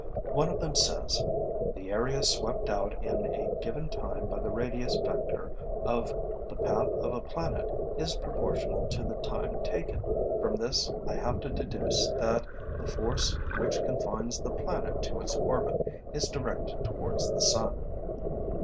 One of them says: 'The area swept out in a given time by the radius vector of the path of a planet is proportional to the time taken.' From this I have to deduce that the force which confines the planet to its orbit is directed towards the sun.